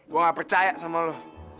gue gak percaya sama lo